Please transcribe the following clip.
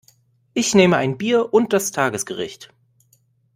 Ich nehme ein Bier und das Tagesgericht.